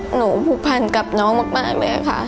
ผูกพันกับน้องมากเลยค่ะ